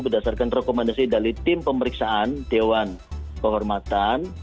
berdasarkan rekomendasi dari tim pemeriksaan dewan kehormatan